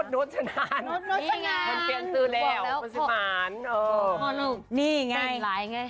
โน๊ตชะนาน